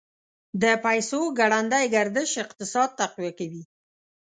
د پیسو ګړندی گردش اقتصاد تقویه کوي.